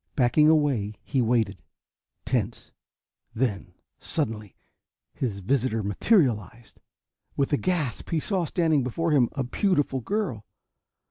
Backing away, he waited, tense. Then, suddenly, his visitor materialized. With a gasp, he saw standing before him a beautiful girl.